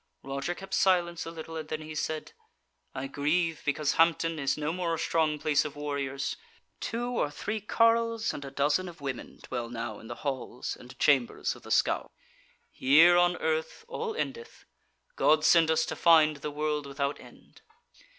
Roger kept silence a little and then he said: "I grieve because Hampton is no more a strong place of warriors; two or three carles and a dozen of women dwell now in the halls and chambers of the Scaur. Here on earth, all endeth. God send us to find the world without end!"